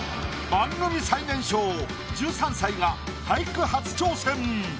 番組最年少１３歳が俳句初挑戦！